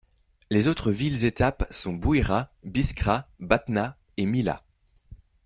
Les autres villes-étape sont Bouira, Biskra, Batna, et Mila.